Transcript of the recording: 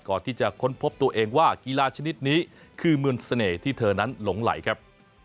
ค้นพบตัวเองว่ากีฬาชนิดนี้คือมนต์เสน่ห์ที่เธอนั้นหลงไหลครับ